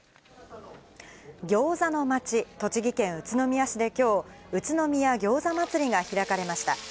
餃子の街、栃木県宇都宮市できょう、宇都宮餃子祭りが開かれました。